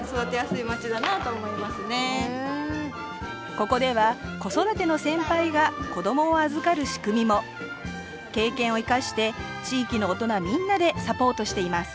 ここでは子育ての先輩が子どもを預かる仕組みも経験を生かして地域の大人みんなでサポートしています